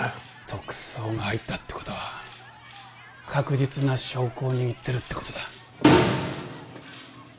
特捜が入ったってことは確実な証拠を握ってるってことだ